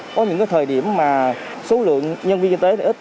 có những thời điểm mà số lượng nhân viên y tế là ít